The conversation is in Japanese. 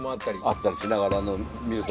あったりしながらのを見ると。